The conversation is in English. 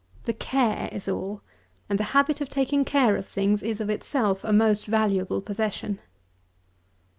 The care is all; and the habit of taking care of things is, of itself, a most valuable possession.